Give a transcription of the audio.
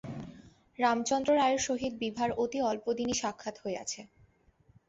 রামচন্দ্র রায়ের সহিত বিভার অতি অল্প দিনই সাক্ষাৎ হইয়াছে।